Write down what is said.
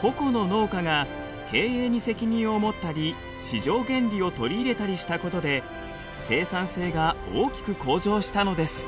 個々の農家が経営に責任を持ったり市場原理を取り入れたりしたことで生産性が大きく向上したのです。